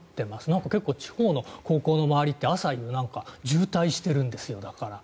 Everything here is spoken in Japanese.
なんか結構地方の高校の周りって朝夕、渋滞してるんですよだから。